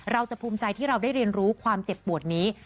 เราจะภูมิใจที่เราได้เรียนรู้ความเจ็บปวดนี้